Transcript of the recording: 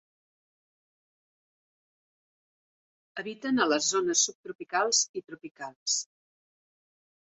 Habiten a les zones subtropicals i tropicals.